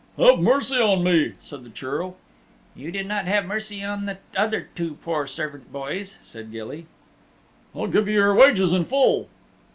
"Have mercy on me," said the Churl. "You did not have mercy on the other two poor servant boys," said Gilly. "I'll give you your wages in full."